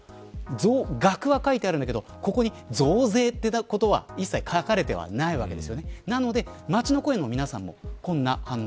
増額は書いてあるんだけどここに増税、ということは一切書かれていないわけです。